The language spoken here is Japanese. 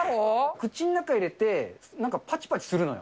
口の中入れて、なんかパチパチするのよ。